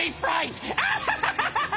フハハハハ！